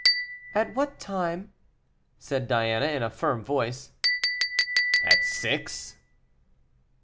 "At what time?" said Diana, in a firm voice. "At six."